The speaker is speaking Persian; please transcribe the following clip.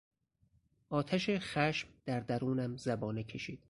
آتش خشم در درونم زبانه کشید.